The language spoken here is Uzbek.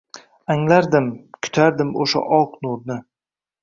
Anglardim, kutardim o’sha oq nurni